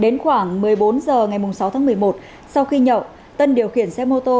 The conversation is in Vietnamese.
đến khoảng một mươi bốn h ngày sáu tháng một mươi một sau khi nhậu tân điều khiển xe mô tô